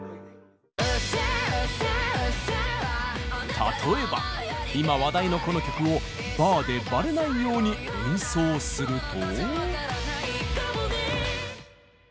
例えば今話題のこの曲をバーでバレないように演奏すると。